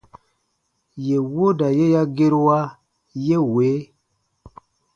Yè wooda ye ya gerua ye wee :